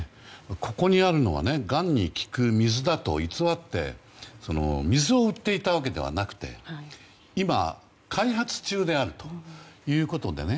ここにあるのはがんに効く水だと偽って水を売っていたわけではなくて今、開発中であるということでね